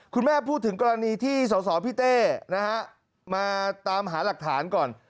พูดถึงกรณีที่สสพี่เต้นะฮะมาตามหาหลักฐานก่อน